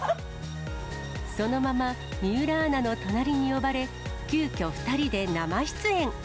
そのまま、水卜アナの隣に呼ばれ、急きょ、２人で生出演。